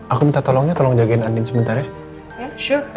aku minta tolongnya tolong jagain andin sebentar ya